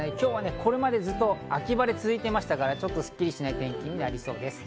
これまでずっと秋晴れが続いていましたから、今日はちょっとすっきりしない天気になりそうです。